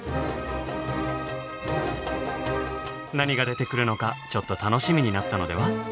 何が出てくるのかちょっと楽しみになったのでは？